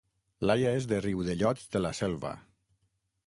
Laia és de Riudellots de la Selva